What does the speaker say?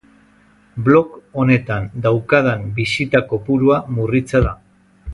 Blog honetan daukadan bisita kopurua murritza da.